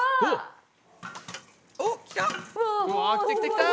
おっきた！